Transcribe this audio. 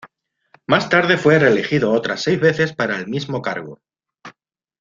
Más tarde fue reelegido otras seis veces para el mismo cargo.